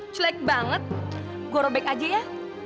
culek banget gue robek aja ya